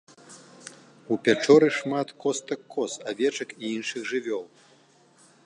У пячоры шмат костак коз, авечак і іншых жывёл.